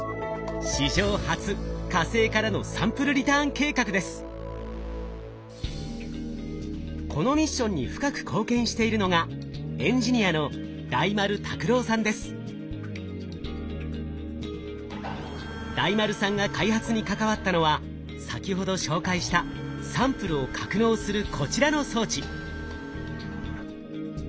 史上初火星からのこのミッションに深く貢献しているのが大丸さんが開発に関わったのは先ほど紹介したサンプルを格納するこちらの装置。